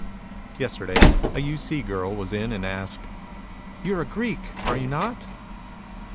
Yesterday a U. C. girl was in and asked, "You are a Greek, are you not?"